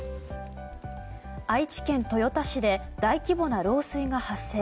愛知県豊田市で大規模な漏水が発生。